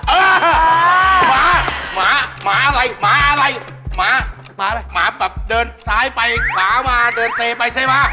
เออหมาหมาหมาอะไรหมาอะไรหมาหมาอะไรหมาแบบเดินซ้ายไปหมามาเดินเซไปเซมา